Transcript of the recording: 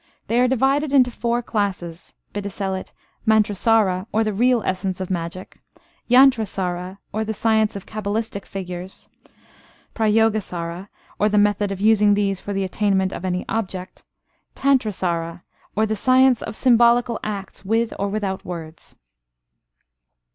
They are divided into four classes, viz., mantrasara, or the real essence of magic; yantrasara, or the science of cabalistic figures; prayogasara, or the method of using these for the attainment of any object; tantrasara, or the science of symbolical acts with or without words.